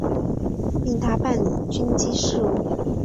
命他办理军机事务。